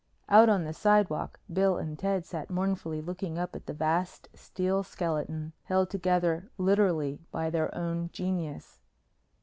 Out on the sidewalk, Bill and Ted sat mournfully looking up at the vast steel skeleton, held together literally by their own genius.